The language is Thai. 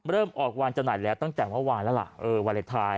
เริ่มออกวันจำหน่ายแล้วตั้งแต่เมื่อวานแล้วล่ะเออวาเลนไทย